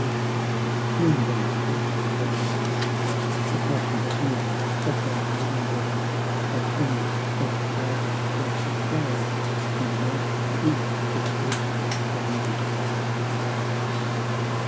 12 the Divine enchantment Dream then sweetly of thy child; The passioned heaving of thy maiden breast, Tho' tender as the fragrant breath of flowers, More mighty is than ocean's boundless surge."